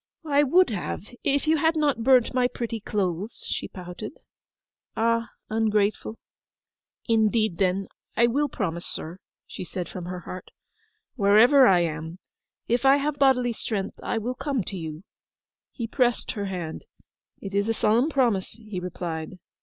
'I would have if you had not burnt my pretty clothes!' she pouted. 'Ah—ungrateful!' 'Indeed, then, I will promise, sir,' she said from her heart. 'Wherever I am, if I have bodily strength I will come to you.' He pressed her hand. 'It is a solemn promise,' he replied.